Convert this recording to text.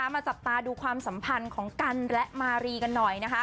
มาจับตาดูความสัมพันธ์ของกันและมารีกันหน่อยนะคะ